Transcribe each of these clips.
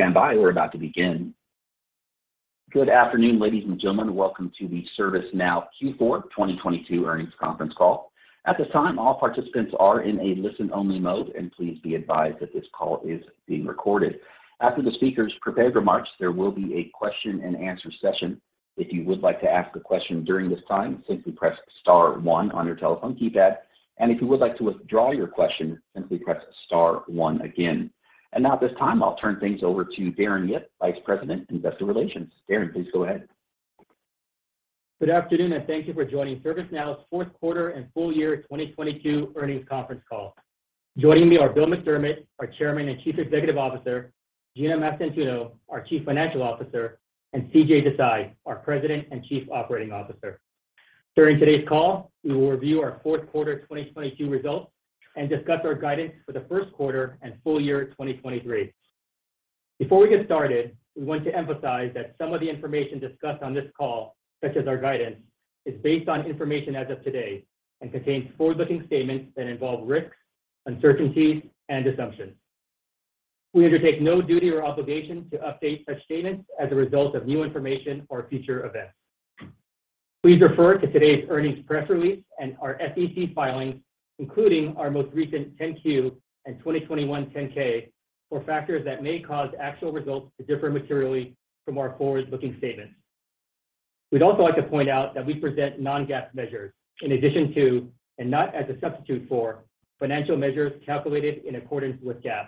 Please stand by. We're about to begin. Good afternoon, ladies and gentlemen. Welcome to the ServiceNow Q4 2022 Earnings Conference Call. At this time, all participants are in a listen-only mode, and please be advised that this call is being recorded. After the speakers' prepared remarks, there will be a question and answer session. If you would like to ask a question during this time, simply press star one on your telephone keypad. If you would like to withdraw your question, simply press star one again. Now, at this time, I'll turn things over to Darren Yip, Vice President, Investor Relations. Darren, please go ahead. Good afternoon, and thank you for joining ServiceNow's fourth quarter and full year 2022 earnings conference call. Joining me are Bill McDermott, our Chairman and Chief Executive Officer, Gina Mastantuono, our Chief Financial Officer, and CJ Desai, our President and Chief Operating Officer. During today's call, we will review our fourth quarter 2022 results and discuss our guidance for the first quarter and full year 2023. Before we get started, we want to emphasize that some of the information discussed on this call, such as our guidance, is based on information as of today and contains forward-looking statements that involve risks, uncertainties, and assumptions. We undertake no duty or obligation to update such statements as a result of new information or future events. Please refer to today's earnings press release and our SEC filings, including our most recent 10-Q and 2021 10-K for factors that may cause actual results to differ materially from our forward-looking statements. We'd also like to point out that we present non-GAAP measures in addition to, and not as a substitute for, financial measures calculated in accordance with GAAP.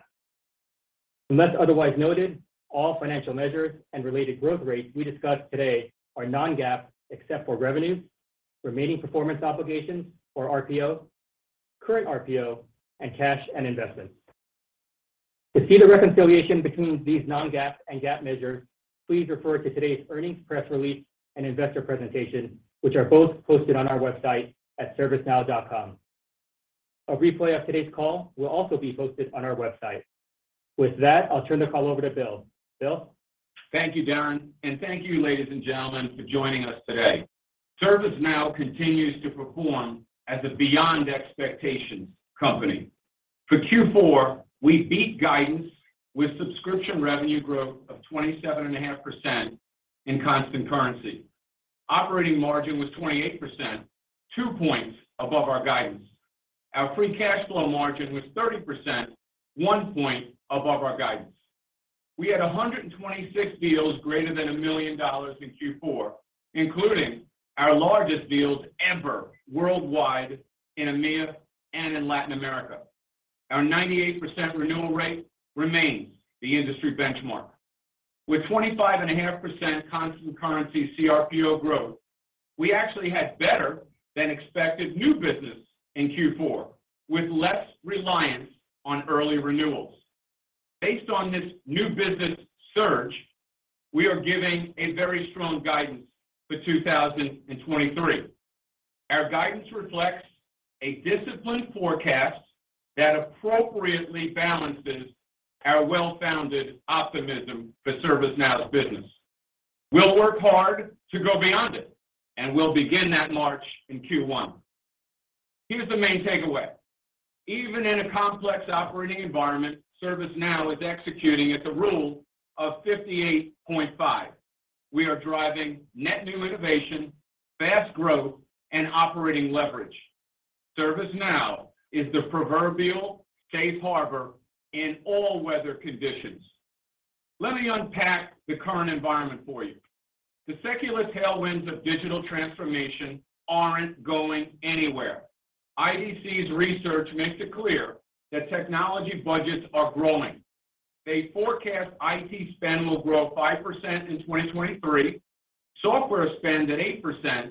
Unless otherwise noted, all financial measures and related growth rates we discussed today are non-GAAP, except for revenue, remaining performance obligations or RPO, current RPO, and cash and investments. To see the reconciliation between these non-GAAP and GAAP measures, please refer to today's earnings press release and investor presentation, which are both posted on our website at servicenow.com. A replay of today's call will also be posted on our website. With that, I'll turn the call over to Bill. Bill? Thank you, Darren. Thank you, ladies and gentlemen, for joining us today. ServiceNow continues to perform as a beyond expectations company. For Q4, we beat guidance with subscription revenue growth of 27.5% in constant currency. Operating margin was 28%, two points above our guidance. Our free cash flow margin was 30%, one point above our guidance. We had 126 deals greater than $1 million in Q4, including our largest deals ever worldwide in EMEA and in Latin America. Our 98% renewal rate remains the industry benchmark. With 25.5% constant currency CRPO growth, we actually had better than expected new business in Q4, with less reliance on early renewals. Based on this new business surge, we are giving a very strong guidance for 2023. Our guidance reflects a disciplined forecast that appropriately balances our well-founded optimism for ServiceNow's business. We'll work hard to go beyond it, we'll begin that march in Q1. Here's the main takeaway. Even in a complex operating environment, ServiceNow is executing at the rule of 58.5. We are driving net new innovation, fast growth, and operating leverage. ServiceNow is the proverbial safe harbor in all weather conditions. Let me unpack the current environment for you. The secular tailwinds of digital transformation aren't going anywhere. IDC's research makes it clear that technology budgets are growing. They forecast IT spend will grow 5% in 2023, software spend at 8%,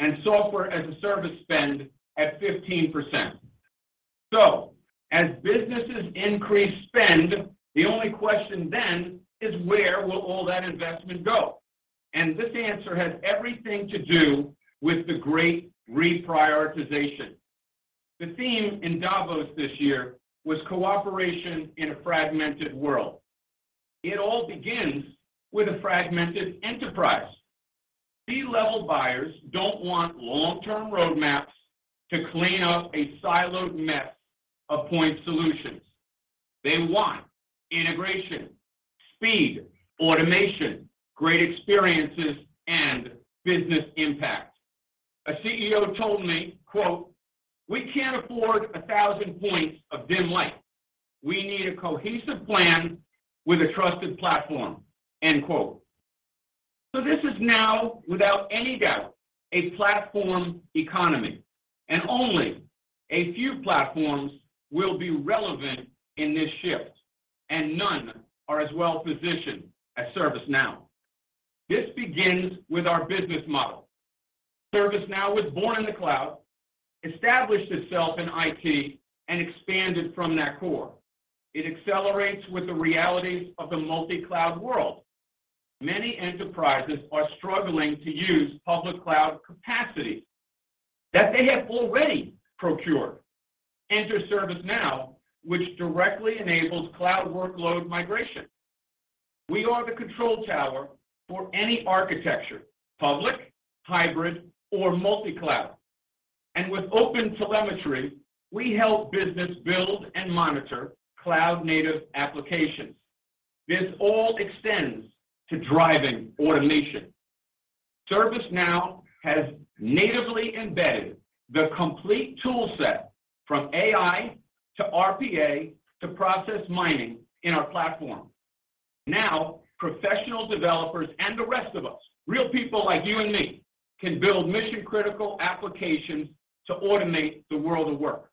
and software as a service spend at 15%. As businesses increase spend, the only question then is where will all that investment go? This answer has everything to do with the great reprioritization. The theme in Davos this year was cooperation in a fragmented world. It all begins with a fragmented enterprise. C-level buyers don't want long-term roadmaps to clean up a siloed mess of point solutions. They want integration, speed, automation, great experiences, and business impact. A CEO told me, quote, "We can't afford 1,000 points of dim light. We need a cohesive plan with a trusted platform." End quote. This is now, without any doubt, a platform economy, and only a few platforms will be relevant in this shift, and none are as well-positioned as ServiceNow. This begins with our business model. ServiceNow was born in the cloud, established itself in IT, and expanded from that core. It accelerates with the realities of the multi-cloud world. Many enterprises are struggling to use public cloud capacity that they have already procured. Enter ServiceNow, which directly enables cloud workload migration. We are the control tower for any architecture, public, hybrid, or multi-cloud. With OpenTelemetry, we help business build and monitor cloud-native applications. This all extends to driving automation. ServiceNow has natively embedded the complete toolset from AI to RPA to process mining in our platform. Professional developers and the rest of us, real people like you and me, can build mission-critical applications to automate the world of work.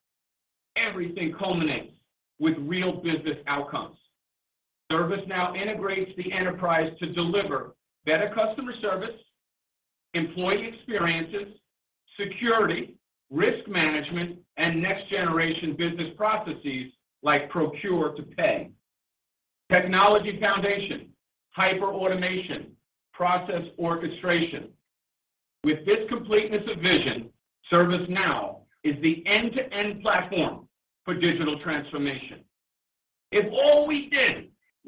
Everything culminates with real business outcomes. ServiceNow integrates the enterprise to deliver better customer service, employee experiences, security, risk management, and next-generation business processes like Procure-to-Pay. Technology foundation, hyperautomation, process orchestration. With this completeness of vision, ServiceNow is the end-to-end platform for digital transformation.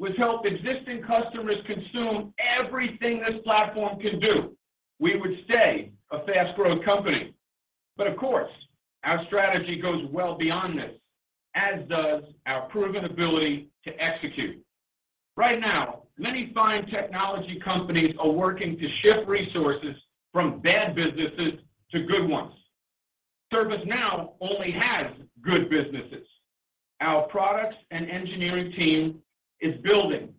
If all we did was help existing customers consume everything this platform can do, we would stay a fast-growth company. Of course, our strategy goes well beyond this, as does our proven ability to execute. Right now, many fine technology companies are working to shift resources from bad businesses to good ones. ServiceNow only has good businesses. Our products and engineering team is building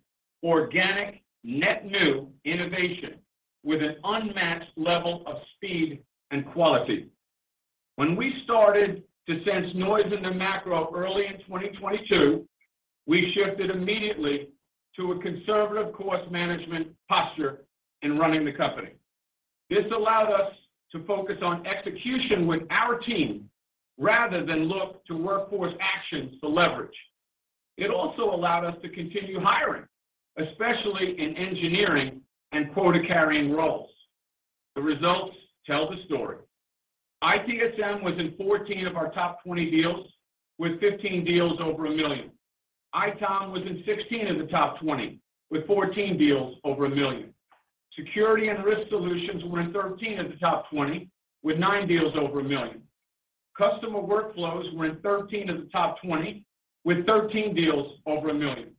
organic net new innovation with an unmatched level of speed and quality. When we started to sense noise in the macro early in 2022, we shifted immediately to a conservative cost management posture in running the company. This allowed us to focus on execution with our team rather than look to workforce actions for leverage. It also allowed us to continue hiring, especially in engineering and quota-carrying roles. The results tell the story. ITSM was in 14 of our top 20 deals, with 15 deals over $1 million. ITOM was in 16 of the top 20, with 14 deals over $1 million. Security and risk solutions were in 13 of the top 20, with 9 deals over $1 million. Customer workflows were in 13 of the top 20, with 13 deals over $1 million.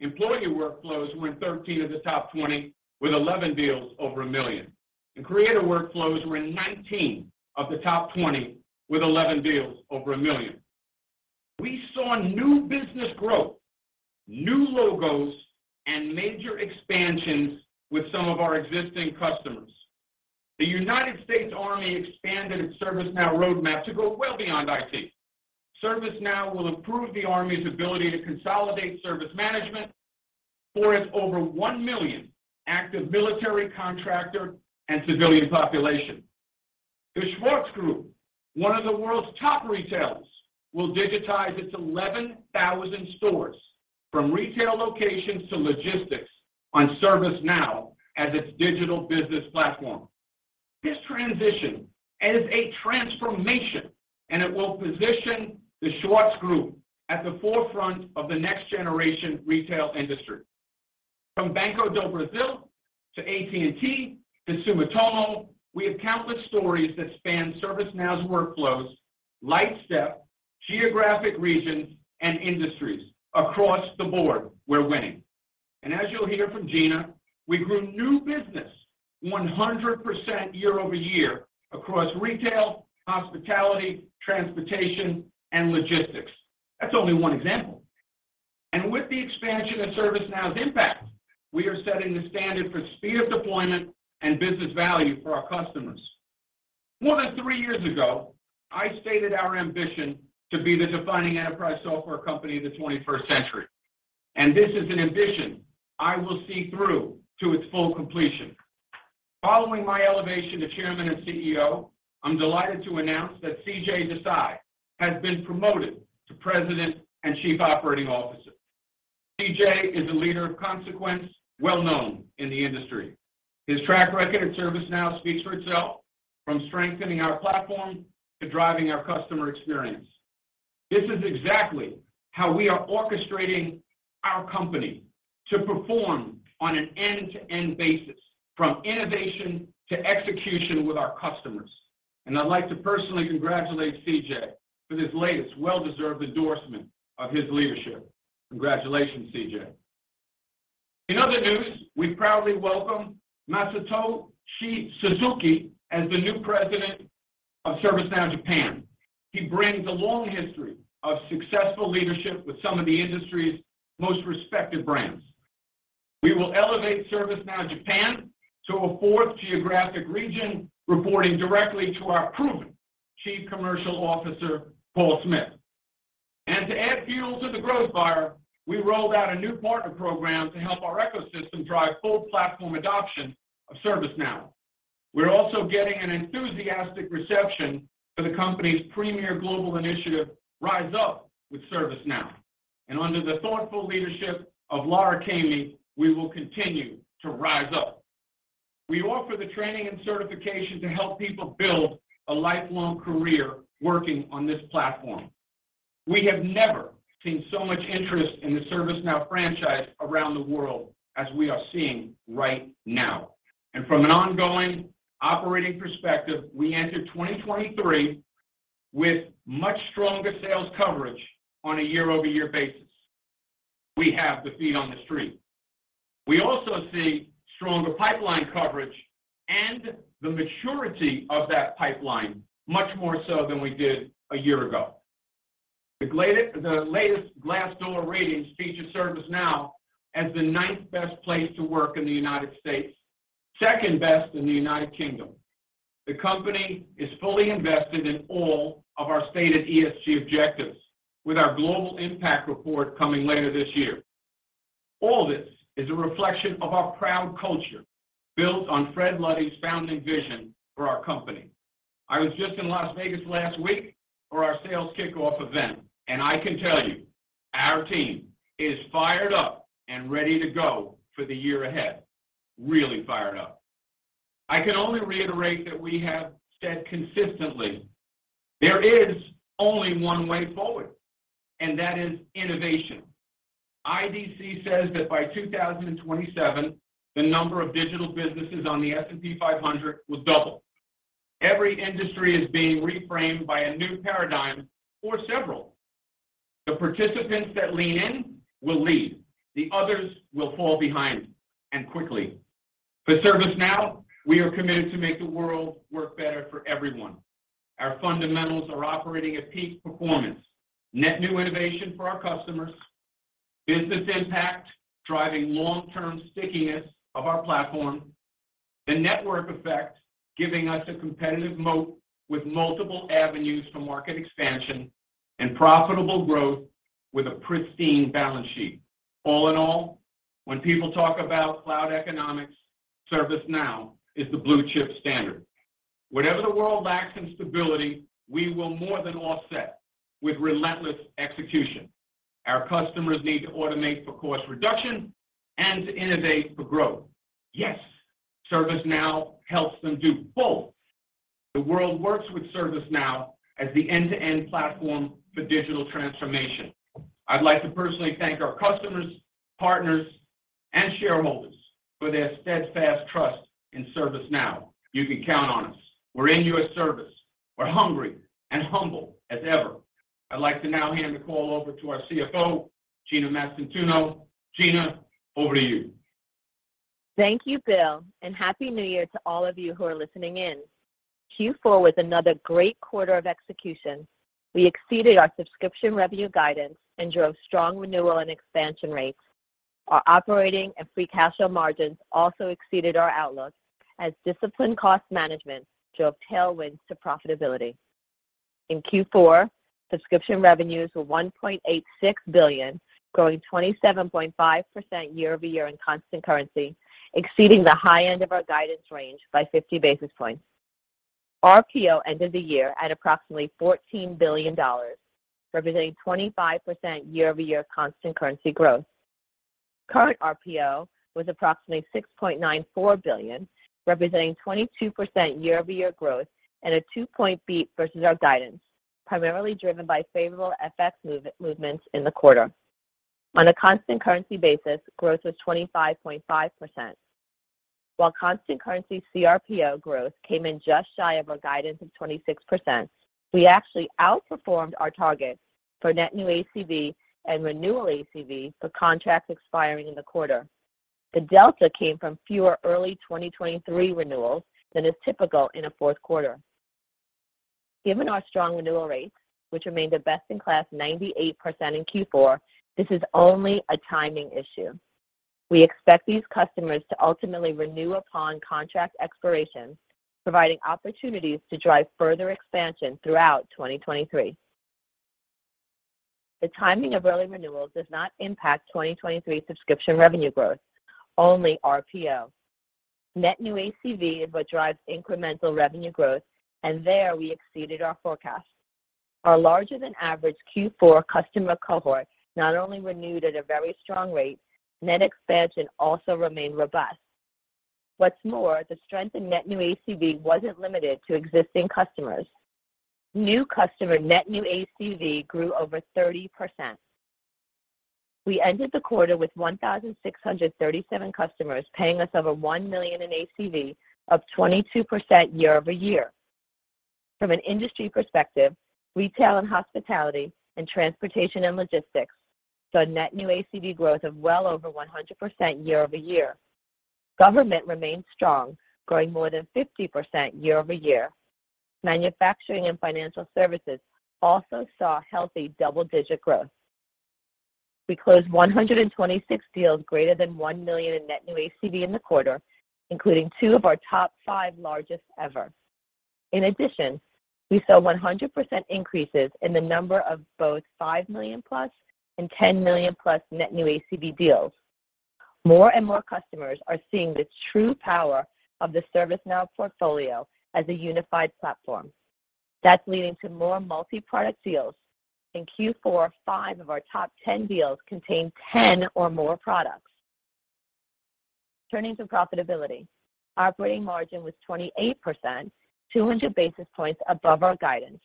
Employee workflows were in 13 of the top 20, with 11 deals over $1 million. Creator workflows were in 19 of the top 20, with 11 deals over $1 million. We saw new business growth, new logos, and major expansions with some of our existing customers. The United States Army expanded its ServiceNow roadmap to go well beyond IT. ServiceNow will improve the Army's ability to consolidate service management for its over one million active military contractor and civilian population. The Schwarz Group, one of the world's top retailers, will digitize its 11,000 stores from retail locations to logistics on ServiceNow as its digital business platform. This transition is a transformation, and it will position the Schwarz Group at the forefront of the next-generation retail industry. From Banco do Brasil to AT&T to Sumitomo, we have countless stories that span ServiceNow's workflows, Lightstep, geographic regions, and industries. Across the board, we're winning. As you'll hear from Gina, we grew new business 100% year-over-year across retail, hospitality, transportation, and logistics. That's only one example. With the expansion of ServiceNow Impact, we are setting the standard for speed of deployment and business value for our customers. More than 3 years ago, I stated our ambition to be the defining enterprise software company of the 21st century. This is an ambition I will see through to its full completion. Following my elevation to Chairman and CEO, I'm delighted to announce that CJ Desai has been promoted to President and Chief Operating Officer. CJ is a leader of consequence, well-known in the industry. His track record at ServiceNow speaks for itself, from strengthening our platform to driving our customer experience. This is exactly how we are orchestrating our company to perform on an end-to-end basis, from innovation to execution with our customers. I'd like to personally congratulate CJ for this latest well-deserved endorsement of his leadership. Congratulations, CJ. In other news, we proudly welcome Masatoshi Suzuki as the new President of ServiceNow Japan. He brings a long history of successful leadership with some of the industry's most respected brands. We will elevate ServiceNow Japan to a fourth geographic region, reporting directly to our proven Chief Commercial Officer, Paul Smith. To add fuel to the growth fire, we rolled out a new partner program to help our ecosystem drive full platform adoption of ServiceNow. We're also getting an enthusiastic reception for the company's premier global initiative, Rise Up with ServiceNow. Under the thoughtful leadership of Lara Caimi, we will continue to Rise Up. We offer the training and certification to help people build a lifelong career working on this platform. We have never seen so much interest in the ServiceNow franchise around the world as we are seeing right now. From an ongoing operating perspective, we enter 2023 with much stronger sales coverage on a year-over-year basis. We have the feet on the street. We also see stronger pipeline coverage and the maturity of that pipeline much more so than we did a year ago. The latest Glassdoor ratings feature ServiceNow as the ninth best place to work in the United States, second best in the United Kingdom. The company is fully invested in all of our stated ESG objectives, with our global impact report coming later this year. All this is a reflection of our proud culture built on Fred Luddy's founding vision for our company. I was just in Las Vegas last week for our sales kickoff event, and I can tell you our team is fired up and ready to go for the year ahead. Really fired up. I can only reiterate what we have said consistently. There is only one way forward, and that is innovation. IDC says that by 2027, the number of digital businesses on the S&P 500 will double. Every industry is being reframed by a new paradigm or several. The participants that lean in will lead. The others will fall behind, and quickly. For ServiceNow, we are committed to make the world work better for everyone. Our fundamentals are operating at peak performance. Net new innovation for our customers. Business impact, driving long-term stickiness of our platform. The network effect, giving us a competitive moat with multiple avenues for market expansion and profitable growth with a pristine balance sheet. When people talk about cloud economics, ServiceNow is the blue chip standard. Whatever the world lacks in stability, we will more than offset with relentless execution. Our customers need to automate for cost reduction and to innovate for growth. Yes, ServiceNow helps them do both. The world works with ServiceNow as the end-to-end platform for digital transformation. I'd like to personally thank our customers, partners, and shareholders for their steadfast trust in ServiceNow. You can count on us. We're in your service. We're hungry and humble as ever. I'd like to now hand the call over to our CFO, Gina Mastantuono. Gina, over to you. Thank you, Bill, and Happy New Year to all of you who are listening in. Q4 was another great quarter of execution. We exceeded our subscription revenue guidance and drove strong renewal and expansion rates. Our operating and free cash flow margins also exceeded our outlook as disciplined cost management drove tailwinds to profitability. In Q4, subscription revenues were $1.86 billion, growing 27.5% year-over-year in constant currency, exceeding the high end of our guidance range by 50 basis points. RPO ended the year at approximately $14 billion, representing 25% year-over-year constant currency growth. Current RPO was approximately $6.94 billion, representing 22% year-over-year growth and a 2-point beat versus our guidance, primarily driven by favorable FX movements in the quarter. On a constant currency basis, growth was 25.5%. While constant currency CRPO growth came in just shy of our guidance of 26%, we actually outperformed our targets for net new ACV and renewal ACV for contracts expiring in the quarter. The delta came from fewer early 2023 renewals than is typical in a Q4. Given our strong renewal rates, which remained a best-in-class 98% in Q4, this is only a timing issue. We expect these customers to ultimately renew upon contract expirations, providing opportunities to drive further expansion throughout 2023. The timing of early renewals does not impact 2023 subscription revenue growth, only RPO. Net new ACV is what drives incremental revenue growth, and there we exceeded our forecast. Our larger than average Q4 customer cohort not only renewed at a very strong rate, net expansion also remained robust. What's more, the strength in net new ACV wasn't limited to existing customers. New customer net new ACV grew over 30%. We ended the quarter with 1,637 customers paying us over $1 million in ACV, up 22% year-over-year. From an industry perspective, retail and hospitality and transportation and logistics saw net new ACV growth of well over 100% year-over-year. Government remained strong, growing more than 50% year-over-year. Manufacturing and financial services also saw healthy double-digit growth. We closed 126 deals greater than $1 million in net new ACV in the quarter, including two of our top five largest ever. In addition, we saw 100% increases in the number of both $5 million-plus and $10 million-plus net new ACV deals. More and more customers are seeing the true power of the ServiceNow portfolio as a unified platform. That's leading to more multi-product deals. In Q4, five of our top 10 deals contained 10 or more products. Turning to profitability. Operating margin was 28%, 200 basis points above our guidance,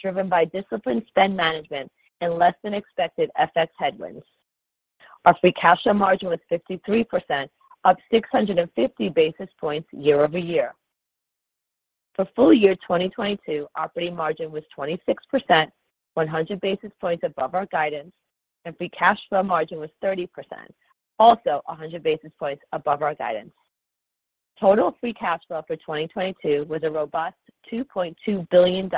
driven by disciplined spend management and less than expected FX headwinds. Our free cash flow margin was 53%, up 650 basis points year-over-year. For full year 2022, operating margin was 26%, 100 basis points above our guidance, and free cash flow margin was 30%, also 100 basis points above our guidance. Total free cash flow for 2022 was a robust $2.2 billion.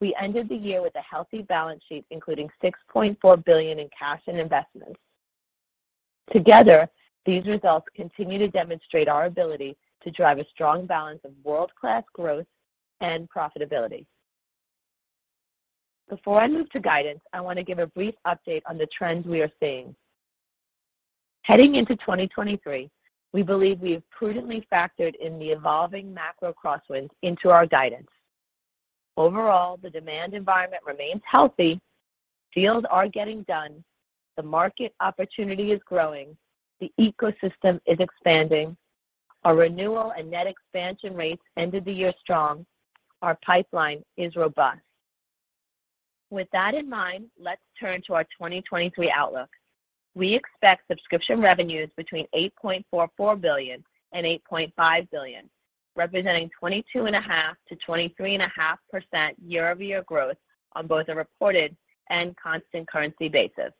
We ended the year with a healthy balance sheet, including $6.4 billion in cash and investments. Together, these results continue to demonstrate our ability to drive a strong balance of world-class growth and profitability. Before I move to guidance, I want to give a brief update on the trends we are seeing. Heading into 2023, we believe we have prudently factored in the evolving macro crosswinds into our guidance. The demand environment remains healthy. Fields are getting done. The market opportunity is growing. The ecosystem is expanding. Our renewal and net expansion rates ended the year strong. Our pipeline is robust. With that in mind, let's turn to our 2023 outlook. We expect subscription revenues between $8.44 billion and $8.5 billion, representing 22.5% to 23.5% year-over-year growth on both a reported and constant currency basis.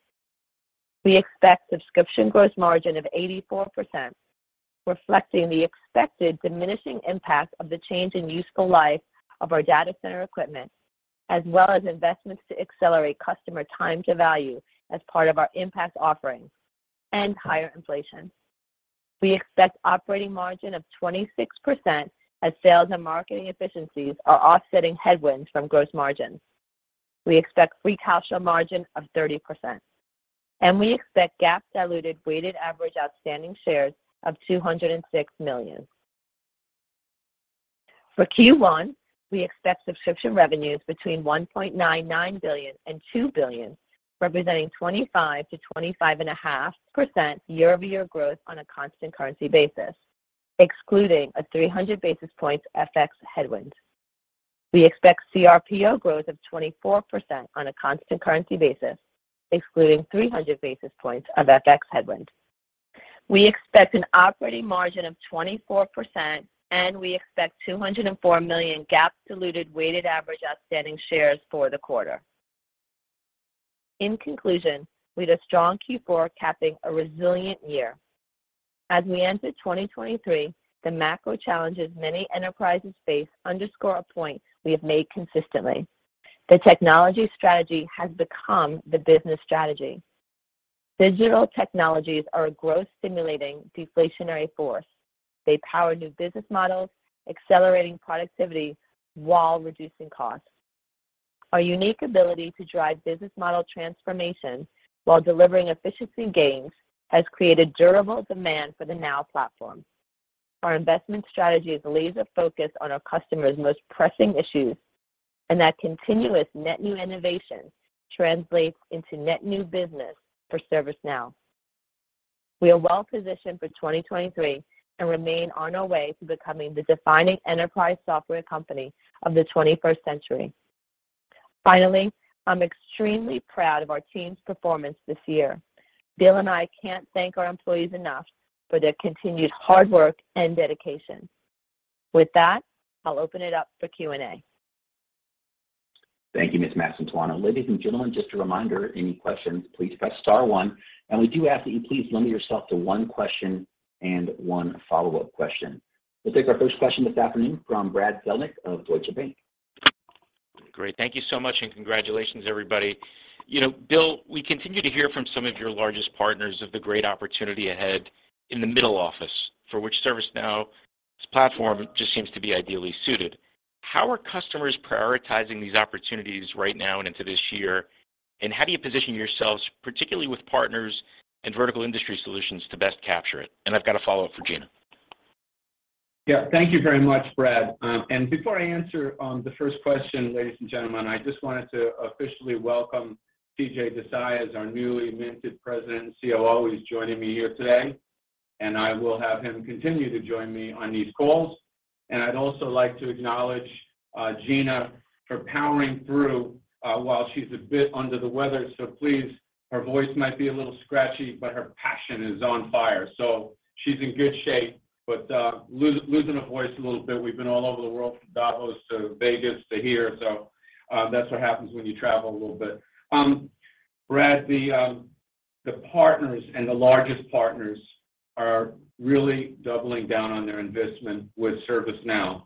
We expect subscription gross margin of 84%, reflecting the expected diminishing impact of the change in useful life of our data center equipment, as well as investments to accelerate customer time to value as part of our Impact offerings and higher inflation. We expect operating margin of 26% as sales and marketing efficiencies are offsetting headwinds from gross margins. We expect free cash flow margin of 30%, and we expect GAAP diluted weighted average outstanding shares of 206 million. For Q1, we expect subscription revenues between $1.99 billion and $2 billion, representing 25%-25.5% year-over-year growth on a constant currency basis, excluding a 300 basis points FX headwind. We expect CRPO growth of 24% on a constant currency basis, excluding 300 basis points of FX headwinds. We expect an operating margin of 24%, and we expect 204 million GAAP diluted weighted average outstanding shares for the quarter. In conclusion, we had a strong Q4 capping a resilient year. As we enter 2023, the macro challenges many enterprises face underscore a point we have made consistently. The technology strategy has become the business strategy. Digital technologies are a growth-stimulating deflationary force. They power new business models, accelerating productivity while reducing costs. Our unique ability to drive business model transformation while delivering efficiency gains has created durable demand for the Now Platform. Our investment strategy is laser-focused on our customers' most pressing issues, and that continuous net new innovation translates into net new business for ServiceNow. We are well-positioned for 2023 and remain on our way to becoming the defining enterprise software company of the twenty-first century. Finally, I'm extremely proud of our team's performance this year. Bill and I can't thank our employees enough for their continued hard work and dedication. With that, I'll open it up for Q&A. Thank you, Ms. Mastantuono. Ladies and gentlemen, just a reminder, any questions, please press star one. We do ask that you please limit yourself to one question and one follow-up question. We'll take our first question this afternoon from Brad Zelnick of Deutsche Bank. Great. Thank you so much, and congratulations, everybody. You know, Bill, we continue to hear from some of your largest partners of the great opportunity ahead in the middle office, for which ServiceNow's platform just seems to be ideally suited. How are customers prioritizing these opportunities right now and into this year? How do you position yourselves, particularly with partners and vertical industry solutions, to best capture it? I've got a follow-up for Gina. Yeah. Thank you very much, Brad. Before I answer the first question, ladies and gentlemen, I just wanted to officially welcome CJ Desai as our newly minted President and COO. He's joining me here today, and I will have him continue to join me on these calls. I'd also like to acknowledge Gina for powering through while she's a bit under the weather. Please, her voice might be a little scratchy, but her passion is on fire. She's in good shape, but losing her voice a little bit. We've been all over the world from Davos to Vegas to here. That's what happens when you travel a little bit. Brad, the partners and the largest partners are really doubling down on their investment with ServiceNow,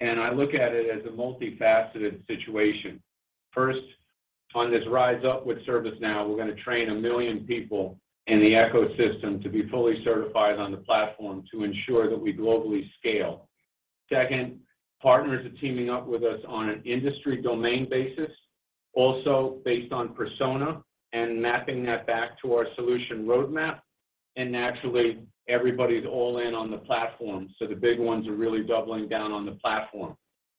and I look at it as a multifaceted situation. First, on this Rise Up with ServiceNow, we're gonna train a million people in the ecosystem to be fully certified on the platform to ensure that we globally scale. Second, partners are teaming up with us on an industry domain basis, also based on persona and mapping that back to our solution roadmap. Naturally, everybody's all in on the platform. The big ones are really doubling down on the platform.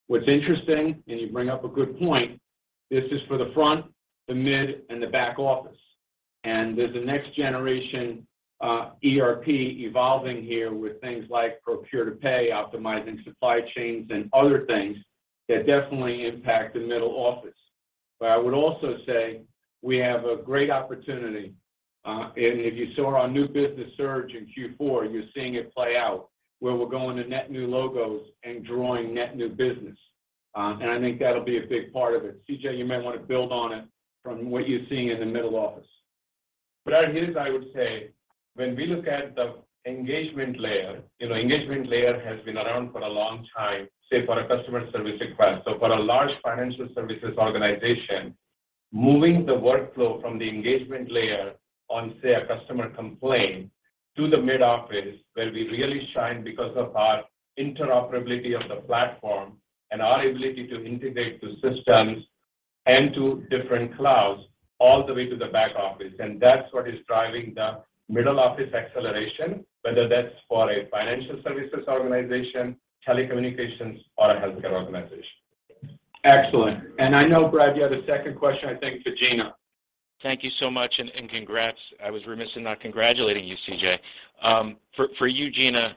What's interesting, and you bring up a good point. This is for the front, the mid, and the back office. There's a next-generation ERP evolving here with things like Procure-to-Pay, optimizing supply chains and other things that definitely impact the middle office. I would also say we have a great opportunity. If you saw our new business surge in Q4, you're seeing it play out where we're going to net new logos and drawing net new business. I think that'll be a big part of it. CJ, you might want to build on it from what you're seeing in the middle office. I guess I would say when we look at the engagement layer, you know, engagement layer has been around for a long time, say, for a customer service request. For a large financial services organization, moving the workflow from the engagement layer on, say, a customer complaint to the mid office, where we really shine because of our interoperability of the platform and our ability to integrate the systems and to different clouds all the way to the back office. That's what is driving the middle office acceleration, whether that's for a financial services organization, telecommunications or a healthcare organization. Excellent. I know, Brad, you had a second question, I think, for Gina. Thank you so much and congrats. I was remiss in not congratulating you, CJ. For you, Gina,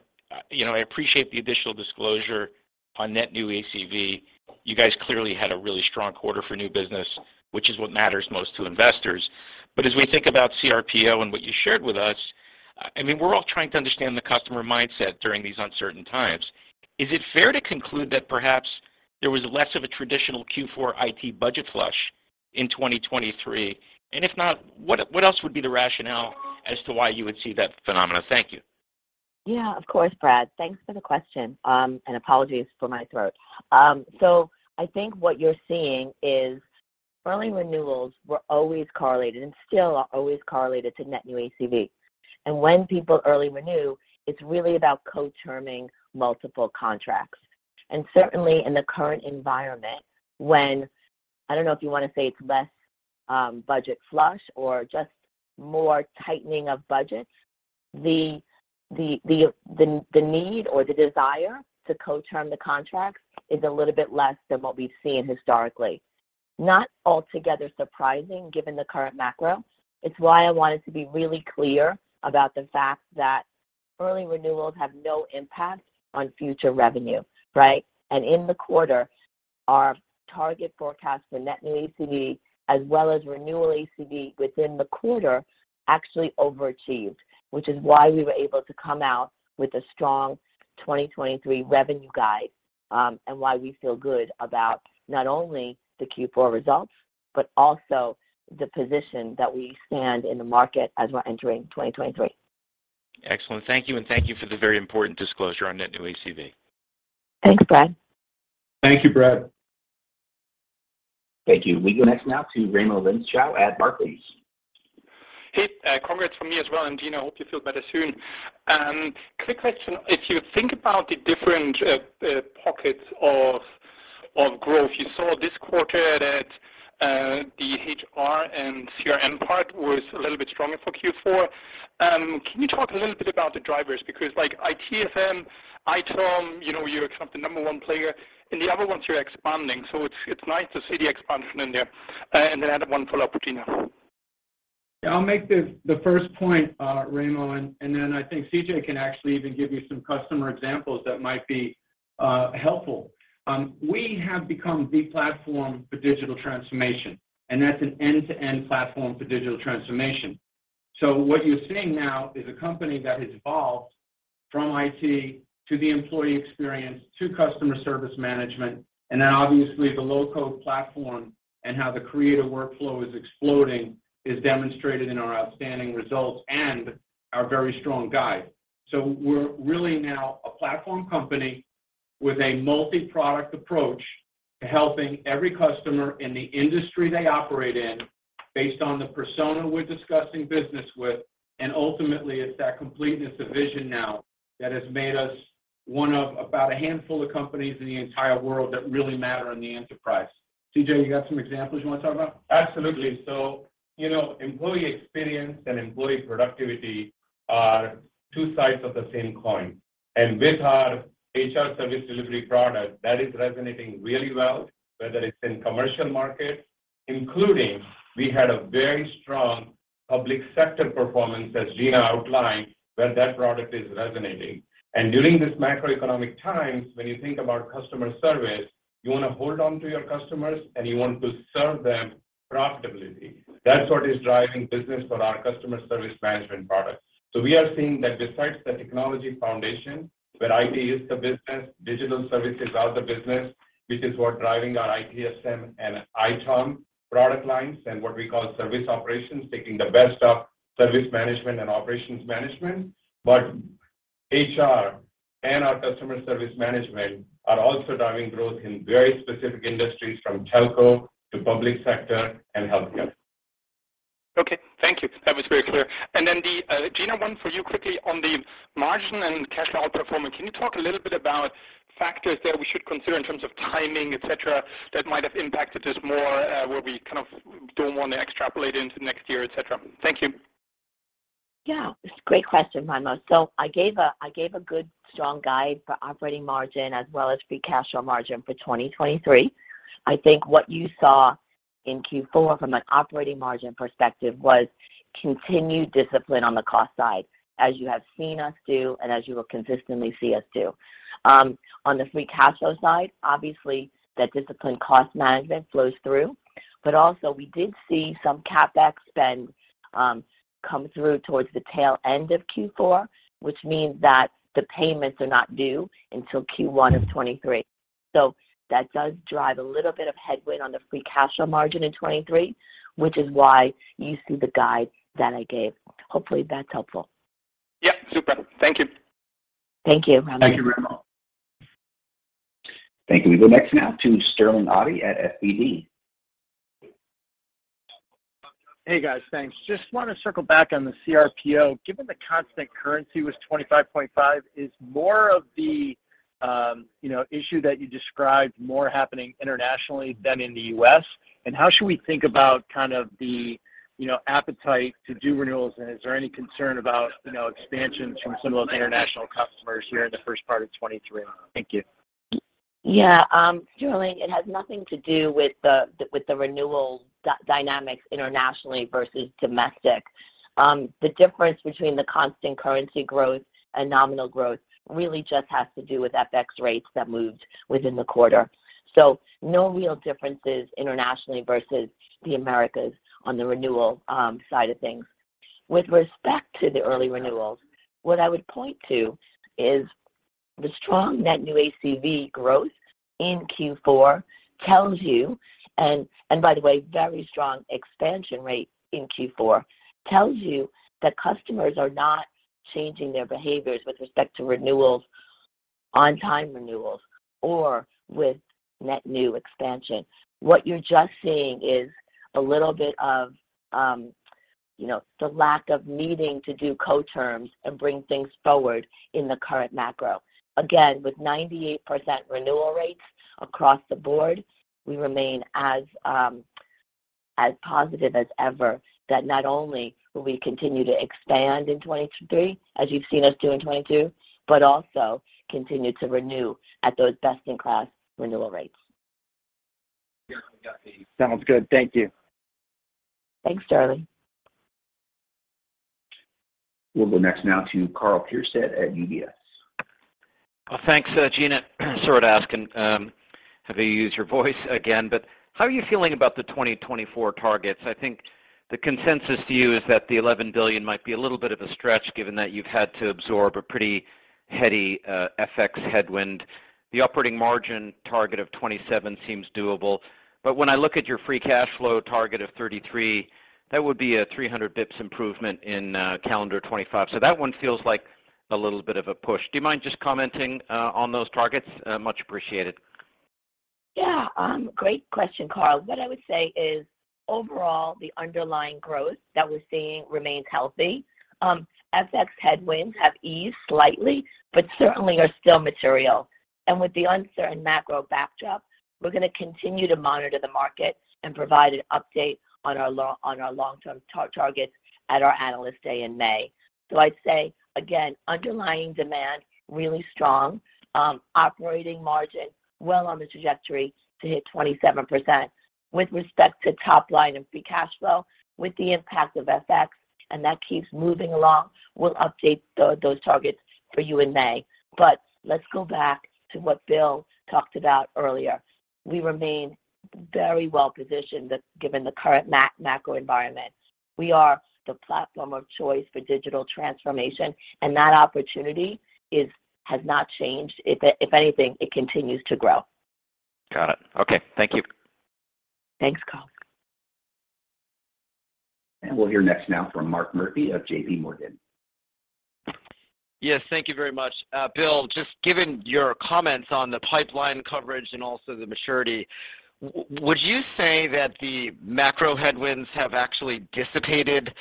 you know, I appreciate the additional disclosure on net new ACV. You guys clearly had a really strong quarter for new business, which is what matters most to investors. As we think about CRPO and what you shared with us, I mean, we're all trying to understand the customer mindset during these uncertain times. Is it fair to conclude that perhaps there was less of a traditional Q4 IT budget flush in 2023? If not, what else would be the rationale as to why you would see that phenomena? Thank you. Yeah, of course, Brad. Thanks for the question, and apologies for my throat. I think what you're seeing is early renewals were always correlated and still are always correlated to net new ACV. When people early renew, it's really about co-terming multiple contracts. Certainly in the current environment when, I don't know if you want to say it's less budget flush or just more tightening of budgets, the need or the desire to co-term the contracts is a little bit less than what we've seen historically. Not altogether surprising given the current macro. It's why I wanted to be really clear about the fact that early renewals have no impact on future revenue, right? In the quarter, our target forecast for net new ACV as well as renewal ACV within the quarter actually overachieved, which is why we were able to come out with a strong 2023 revenue guide, and why we feel good about not only the Q4 results, but also the position that we stand in the market as we're entering 2023. Excellent. Thank you, and thank you for the very important disclosure on net new ACV. Thanks, Brad. Thank you, Brad. Thank you. We go next now to Raimo Lenschow at Barclays. Hey, congrats from me as well. Gina, I hope you feel better soon. Quick question. If you think about the different pockets of growth you saw this quarter that the HR and CRM part was a little bit stronger for Q4. Can you talk a little bit about the drivers? Because like ITSM, ITOM, you know, you're kind of the number one player. In the other ones, you're expanding. it's nice to see the expansion in there. I have one follow-up for Gina. Yeah, I'll make the first point, Raimo, then I think CJ can actually even give you some customer examples that might be helpful. We have become the platform for digital transformation, that's an end-to-end platform for digital transformation. What you're seeing now is a company that has evolved from IT to the employee experience to customer service management, then obviously the low-code platform and how the creative workflow is exploding is demonstrated in our outstanding results and our very strong guide. We're really now a platform company with a multi-product approach to helping every customer in the industry they operate in based on the persona we're discussing business with. Ultimately, it's that completeness of vision now that has made us one of about a handful of companies in the entire world that really matter in the enterprise. CJ, you got some examples you want to talk about? Absolutely, you know, employee experience and employee productivity are two sides of the same coin. With our HR Service Delivery product, that is resonating really well, whether it's in commercial markets, including we had a very strong public sector performance, as Gina outlined, where that product is resonating. During this macroeconomic times, when you think about customer service, you want to hold on to your customers, and you want to serve them profitability. That's what is driving business for our customer service management products. We are seeing that besides the technology foundation where IT is the business, digital service is out of the business, which is what driving our ITSM and ITOM product lines and what we call service operations, taking the best of service management and operations management. HR and our customer service management are also driving growth in very specific industries from telco to public sector and healthcare. Okay. Thank you. That was very clear. Gina, one for you quickly on the margin and cash out performance. Can you talk a little bit about factors that we should consider in terms of timing, etc., that might have impacted us more, where we kind of don't want to extrapolate into next year, etc.? Thank you. Yeah, it's a great question, Raimo. I gave a good, strong guide for operating margin as well as free cash flow margin for 2023. I think what you saw in Q4 from an operating margin perspective was continued discipline on the cost side, as you have seen us do and as you will consistently see us do. On the free cash flow side, obviously, that disciplined cost management flows through. Also we did see some CapEx spend come through towards the tail end of Q4, which means that the payments are not due until Q1 of 2023. That does drive a little bit of headwind on the free cash flow margin in 2023, which is why you see the guide that I gave. Hopefully, that's helpful. Yeah, super. Thank you. Thank you, Raimo. Thank you, Raimo. Thank you. We go next now to Sterling Auty at SVB. Hey, guys. Thanks. Just wanna circle back on the CRPO. Given the constant currency was 25.5%, is more of the, you know, issue that you described more happening internationally than in the U.S.? How should we think about kind of the, you know, appetite to do renewals, and is there any concern about, you know, expansions from some of those international customers here in the first part of 2023? Thank you. Sterling, it has nothing to do with the renewal dynamics internationally versus domestic. The difference between the constant currency growth and nominal growth really just has to do with FX rates that moved within the quarter. No real differences internationally versus the Americas on the renewal side of things. With respect to the early renewals, what I would point to is the strong net new ACV growth in Q4 tells you, and by the way, very strong expansion rate in Q4, tells you that customers are not changing their behaviors with respect to renewals, on time renewals or with net new expansion. What you're just seeing is a little bit of, you know, the lack of needing to do co-terms and bring things forward in the current macro. With 98% renewal rates across the board, we remain as positive as ever that not only will we continue to expand in 2023, as you've seen us do in 2022, but also continue to renew at those best-in-class renewal rates. Sounds good. Thank you. Thanks, Sterling. We'll go next now to Karl Keirstead at UBS. Well, thanks, Gina. Sorry to ask and have you use your voice again. How are you feeling about the 2024 targets? I think the consensus view is that the $11 billion might be a little bit of a stretch given that you've had to absorb a pretty heady FX headwind. The operating margin target of 27% seems doable. When I look at your free cash flow target of 33%, that would be a 300 basis points improvement in calendar 2025. That one feels like a little bit of a push. Do you mind just commenting on those targets? Much appreciated. Yeah. great question, Karl. What I would say is overall, the underlying growth that we're seeing remains healthy. FX headwinds have eased slightly, but certainly are still material. With the uncertain macro backdrop, we're gonna continue to monitor the market and provide an update on our long-term targets at our Analyst Day in May. I'd say, again, underlying demand, really strong. operating margin, well on the trajectory to hit 27%. With respect to top line and free cash flow, with the impact of FX, and that keeps moving along, we'll update those targets for you in May. Let's go back to what Bill talked about earlier. We remain very well positioned given the current macro environment. We are the platform of choice for digital transformation, and that opportunity has not changed. If anything, it continues to grow. Got it. Okay. Thank you. Thanks, Karl. We'll hear next now from Mark Murphy of J.P. Morgan. Yes. Thank you very much. Bill, just given your comments on the pipeline coverage and also the maturity, would you say that the macro headwinds have actually dissipated,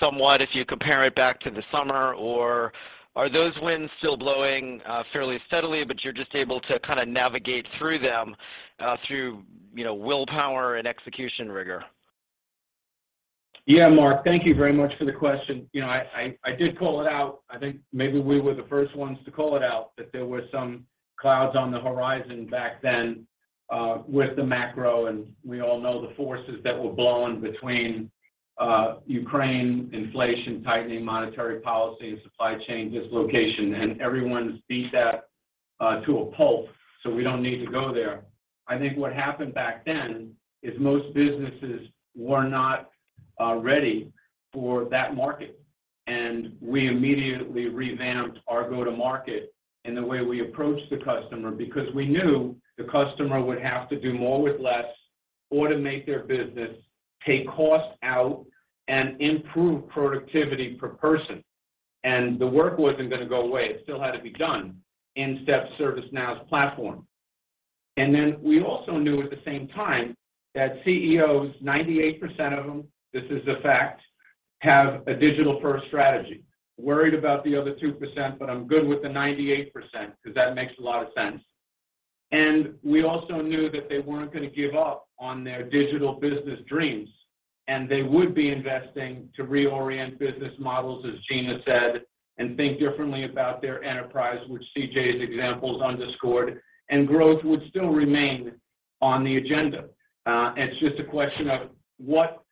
somewhat if you compare it back to the summer, or are those winds still blowing, fairly steadily, but you're just able to kinda navigate through them, through, you know, willpower and execution rigor? Yeah, Mark. Thank you very much for the question. You know, I did call it out. I think maybe we were the first ones to call it out, that there were some clouds on the horizon back then with the macro, and we all know the forces that were blowing between Ukraine, inflation, tightening monetary policy, and supply chain dislocation. Everyone's beat that to a pulp, so we don't need to go there. I think what happened back then is most businesses were not ready for that market, and we immediately revamped our go-to-market and the way we approach the customer because we knew the customer would have to do more with less, automate their business, take costs out, and improve productivity per person. The work wasn't gonna go away. It still had to be done in Step ServiceNow's platform. We also knew at the same time that CEOs, 98% of them, this is a fact, have a digital-first strategy. Worried about the other 2%, but I'm good with the 98% 'cause that makes a lot of sense. And we also knew that they weren't gonna give up on their digital business dreams, and they would be investing to reorient business models, as Gina said, and think differently about their enterprise, which CJ's examples underscored, and growth would still remain on the agenda. It's just a question of what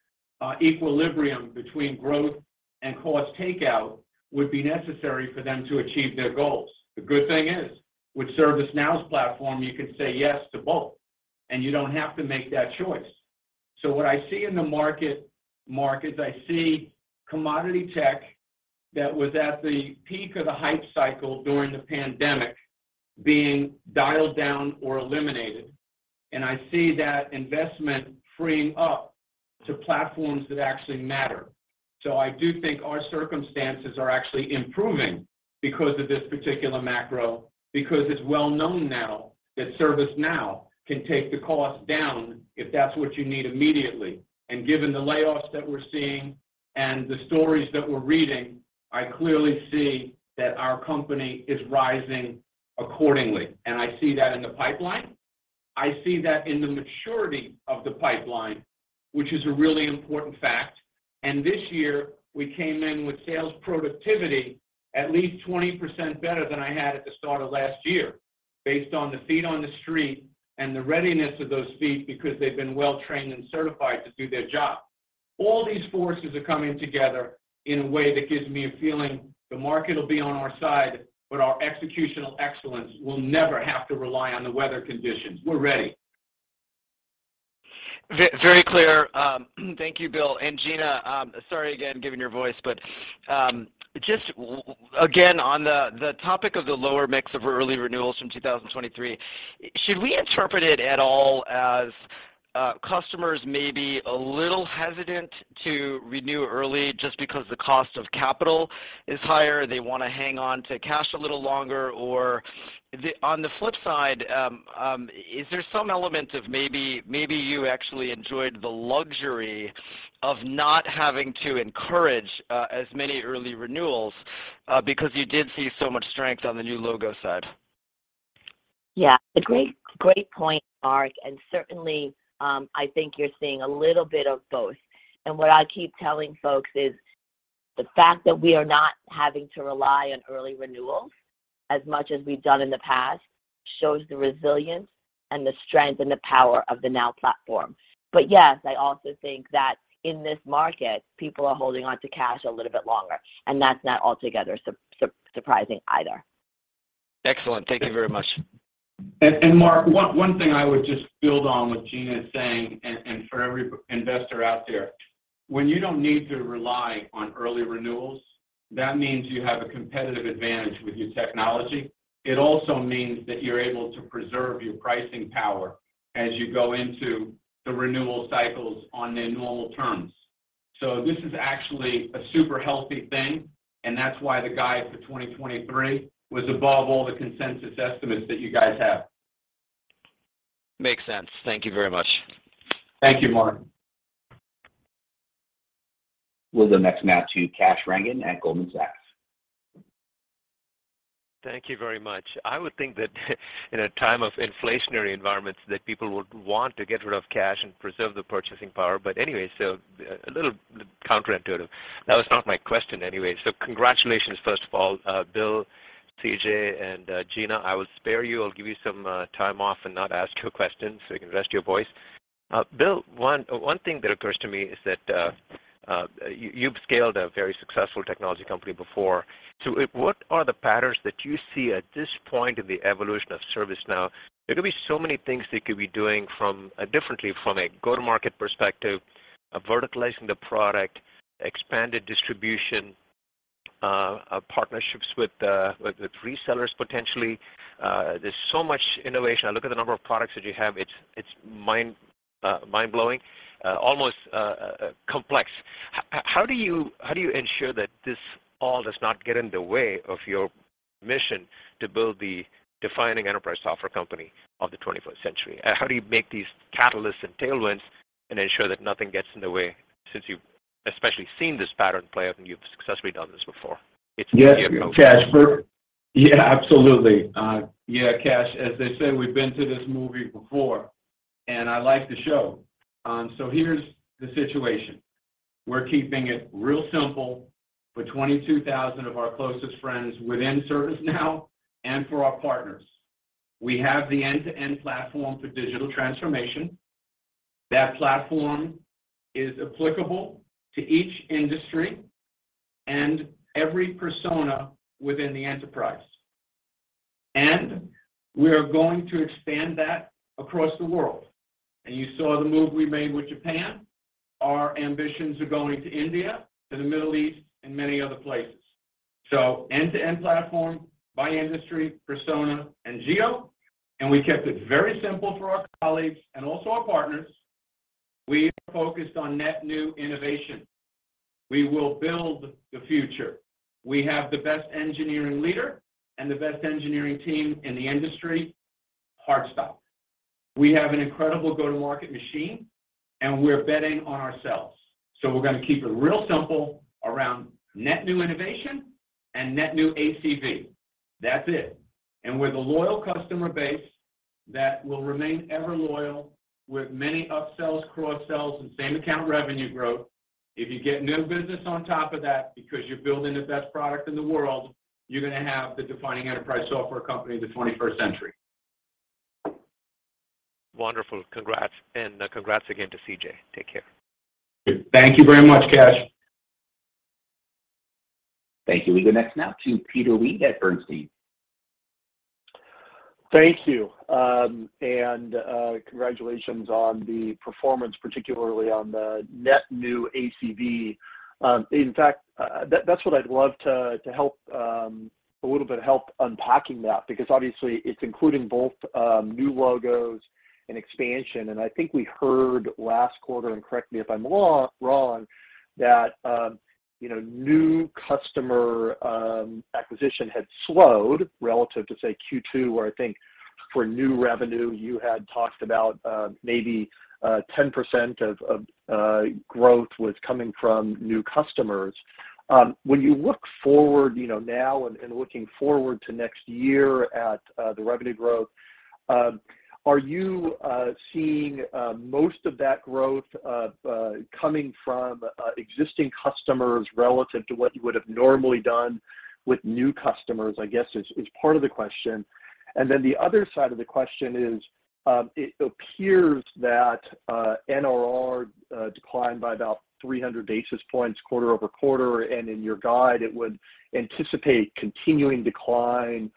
equilibrium between growth and cost takeout would be necessary for them to achieve their goals. The good thing is, with ServiceNow's platform, you can say yes to both, and you don't have to make that choice. What I see in the market, Mark, is I see commodity tech that was at the peak of the hype cycle during the pandemic being dialed down or eliminated, and I see that investment freeing up to platforms that actually matter. I do think our circumstances are actually improving because of this particular macro, because it's well known now that ServiceNow can take the cost down if that's what you need immediately. Given the layoffs that we're seeing and the stories that we're reading, I clearly see that our company is rising accordingly. I see that in the pipeline. I see that in the maturity of the pipeline, which is a really important fact. This year, we came in with sales productivity at least 20% better than I had at the start of last year, based on the feet on the street and the readiness of those feet because they've been well-trained and certified to do their job. All these forces are coming together in a way that gives me a feeling the market will be on our side, but our executional excellence will never have to rely on the weather conditions. We're ready. Very clear. Thank you, Bill and Gina. Sorry again, given your voice, but again, on the topic of the lower mix of early renewals from 2023, should we interpret it at all as customers may be a little hesitant to renew early just because the cost of capital is higher, they wanna hang on to cash a little longer? Or on the flip side, is there some element of maybe you actually enjoyed the luxury of not having to encourage as many early renewals because you did see so much strength on the new logo side? Yeah. Great, great point, Mark. Certainly, I think you're seeing a little bit of both. What I keep telling folks is the fact that we are not having to rely on early renewals as much as we've done in the past shows the resilience and the strength and the power of the Now Platform. Yes, I also think that in this market, people are holding on to cash a little bit longer, and that's not altogether surprising either. Excellent. Thank you very much. Mark, one thing I would just build on what Gina is saying, and for every investor out there, when you don't need to rely on early renewals, that means you have a competitive advantage with your technology. It also means that you're able to preserve your pricing power as you go into the renewal cycles on their normal terms. This is actually a super healthy thing. That's why the guide for 2023 was above all the consensus estimates that you guys have. Makes sense. Thank you very much. Thank you, Mark. We'll the next now to Kash Rangan at Goldman Sachs. Thank you very much. I would think that in a time of inflationary environments, that people would want to get rid of cash and preserve the purchasing power. Anyway, so a little counterintuitive. That was not my question anyway. Congratulations, first of all, Bill, CJ, and Gina. I will spare you. I'll give you some time off and not ask you a question, so you can rest your voice. Bill, one thing that occurs to me is that you've scaled a very successful technology company before. So what are the patterns that you see at this point in the evolution of ServiceNow? There could be so many things that you could be doing from a differently from a go-to-market perspective, a verticalizing the product, expanded distribution, partnerships with resellers, potentially. There's so much innovation. I look at the number of products that you have, it's mind-blowing, almost complex. How do you ensure that this all does not get in the way of your mission to build the defining enterprise software company of the 21st century? How do you make these catalysts and tailwinds and ensure that nothing gets in the way since you've especially seen this pattern play out and you've successfully done this before? Yes, Kash. Yeah, absolutely. Yeah, Kash, as they say, we've been to this movie before, and I like the show. Here's the situation. We're keeping it real simple for 22,000 of our closest friends within ServiceNow and for our partners. We have the end-to-end platform for digital transformation. That platform is applicable to each industry and every persona within the enterprise. We are going to expand that across the world. You saw the move we made with Japan. Our ambitions are going to India, to the Middle East, and many other places. End-to-end platform by industry, persona, and geo, and we kept it very simple for our colleagues and also our partners. We are focused on net new innovation. We will build the future. We have the best engineering leader and the best engineering team in the industry, hard stop. We have an incredible go-to-market machine. We're betting on ourselves. We're gonna keep it real simple around net new innovation and net new ACV. That's it. With a loyal customer base that will remain ever loyal, with many upsells, cross-sells, and same account revenue growth, if you get new business on top of that because you're building the best product in the world, you're gonna have the defining enterprise software company of the twenty-first century. Wonderful. Congrats. Congrats again to CJ. Take care. Thank you very much, Kash. Thank you. We go next now to Peter Weed at Bernstein. Thank you. Congratulations on the performance, particularly on the net new ACV. In fact, that's what I'd love to help unpacking that because obviously it's including both new logos and expansion. I think we heard last quarter, and correct me if I'm wrong, that, you know, new customer acquisition had slowed relative to, say, Q2, where I think for new revenue you had talked about maybe 10% growth was coming from new customers. When you look forward, you know, now looking forward to next year at the revenue growth, are you seeing most of that growth coming from existing customers relative to what you would have normally done with new customers, I guess, is part of the question. The other side of the question is, it appears that NRR declined by about 300 basis points quarter-over-quarter, and in your guide it would anticipate continuing decline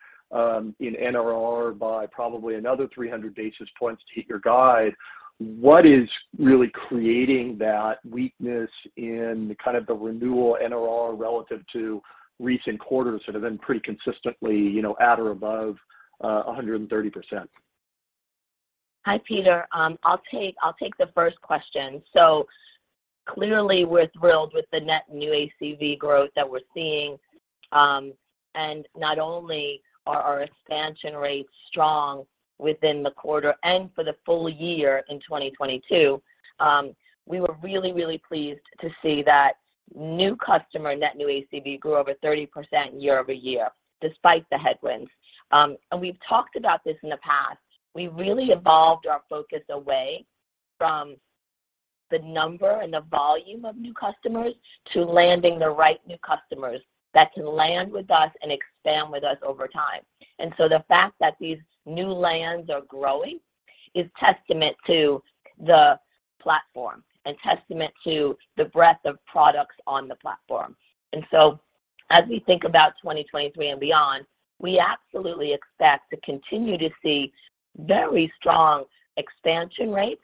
in NRR by probably another 300 basis points to hit your guide. What is really creating that weakness in kind of the renewal NRR relative to recent quarters that have been pretty consistently, you know, at or above 130%? Hi, Peter. I'll take the first question. Clearly we're thrilled with the net new ACV growth that we're seeing. Not only are our expansion rates strong within the quarter and for the full year in 2022, we were really pleased to see that new customer net new ACV grew over 30% year-over-year despite the headwinds. We've talked about this in the past. We really evolved our focus away from the number and the volume of new customers to landing the right new customers that can land with us and expand with us over time. The fact that these new lands are growing is testament to the platform and testament to the breadth of products on the platform. As we think about 2023 and beyond, we absolutely expect to continue to see very strong expansion rates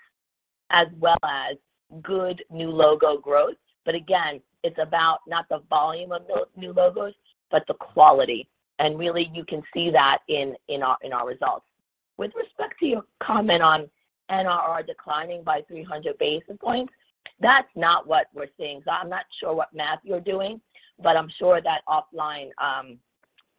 as well as good new logo growth. Again, it's about not the volume of the new logos, but the quality. Really you can see that in our results. With respect to your comment on NRR declining by 300 basis points, that's not what we're seeing. I'm not sure what math you're doing, but I'm sure that offline,